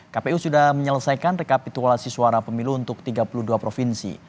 kpu sudah menyelesaikan rekapitulasi suara pemilu untuk tiga puluh dua provinsi